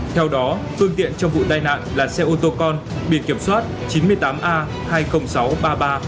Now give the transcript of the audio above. theo đó phương tiện trong vụ tai nạn là xe ô tô con biển kiểm soát chín mươi tám a hai mươi nghìn sáu trăm ba mươi ba